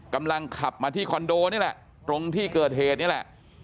กำลังขับมาที่คอนโดนี่แหละตรงที่เกิดเหตุนี่แหละ